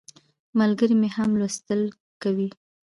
ملګری مې هم لوستل کوي.